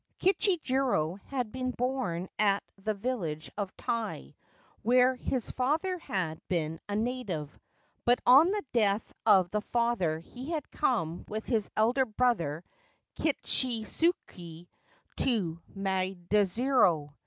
Kichijiro had been born at the village of Tai, where his father had been a native ; but on the death of the father he had come with his elder brother, Kichisuke, to Maidzuru.